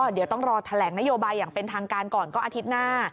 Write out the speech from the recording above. เดี๋ยวต้องรอแถลงนโยบายอย่างเป็นทางการก่อนก็อาทิตย์หน้า